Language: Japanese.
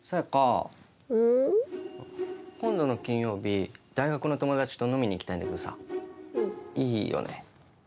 清香、今度の金曜日大学の友達と飲みに行きたいんだけどさいいよね？